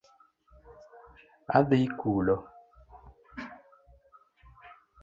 Adhi kulo